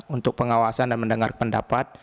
untuk pengawasan dan mendengar pendapat